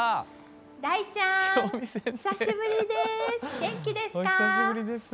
大ちゃん久しぶりです。